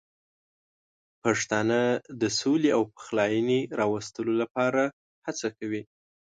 پښتانه د سولې او پخلاینې راوستلو لپاره هڅه کوي.